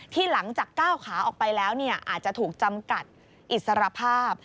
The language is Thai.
ที่หลังจากก้าวขาออกไปแล้วอาจจะถูกจำกัดอิสรภาพ